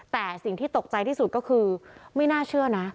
แต่สิ่งที่ตกใจที่สุดก็คือไม่น่าเชื่อนะ